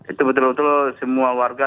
itu betul betul semua warga